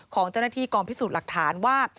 ของเจ้าหน้าที่กองพิสูจน์หลักฐานว่า